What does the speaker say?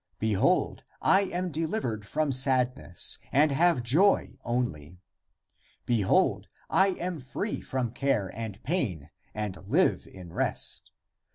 Be hold, I am delivered from sadness and have joy only. Behold, I am free from care and pain and live in rest.